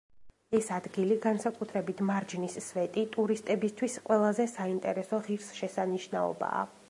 ეს ადგილი, განსაკუთრებით მარჯნის სვეტი, ტურისტებისთვის ყველაზე საინტერესო ღირსშესანიშნაობაა.